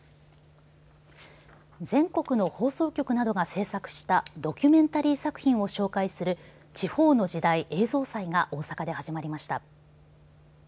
全国の放送局などが制作したドキュメンタリー作品を紹介する「地方の時代」映像祭が大阪で始まりました。